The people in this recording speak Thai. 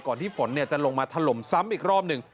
ที่ฝนจะลงมาถล่มซ้ำอีกรอบหนึ่ง